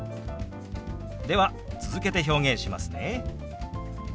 では続けて表現しますね。